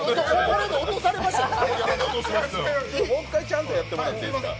もう１回ちゃんとやってもらっていいですか？